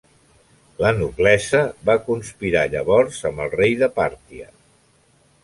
La noblesa va conspirar llavors amb el rei de Pàrtia.